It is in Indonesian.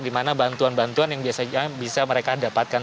di mana bantuan bantuan yang bisa mereka dapatkan